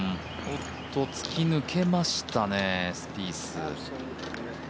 突き抜けましたね、スピース。